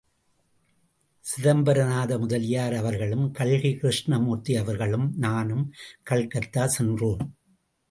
சிதம்பரநாத முதலியார் அவர்களும் கல்கி கிருஷ்ணமூர்த்தி அவர்களும் நானும் கல்கத்தா சென்றோம்.